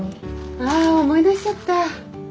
ああ思い出しちゃった。